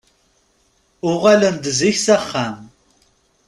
Uɣalen-d zik s axxam.